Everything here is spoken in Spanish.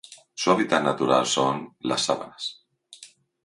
Su hábitat natural son: las sabanas.